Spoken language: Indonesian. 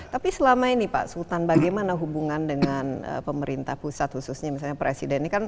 tapi selama ini pak sultan bagaimana hubungan dengan pemerintah pusat khususnya misalnya presiden ini kan